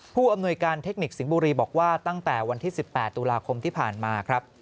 ผู้อำนวยการเทคนิคสิงห์บุรีบอกว่าตั้งแต่วันที่๑๘ตุลาคมที่ผ่านมาครับ